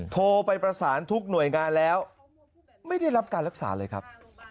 โทรไปประสานทุกหน่วยงานแล้วไม่ได้รับการรักษาเลยครับ